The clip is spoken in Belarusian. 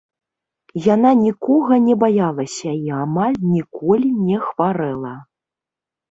Яна нікога не баялася і амаль ніколі не хварэла.